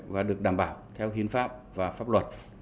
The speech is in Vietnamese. và được đảm bảo theo hiến pháp và pháp luật